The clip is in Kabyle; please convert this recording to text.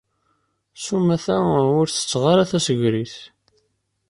S umata, ur setteɣ ara tasegrit.